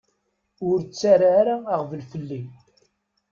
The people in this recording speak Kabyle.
Ur ttara ara aɣbel fell-i.